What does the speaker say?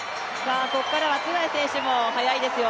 ここからはツェガイ選手も速いですよ。